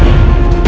dan bisa mengyanyi